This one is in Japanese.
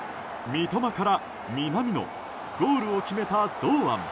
三笘から南野ゴールを決めた堂安。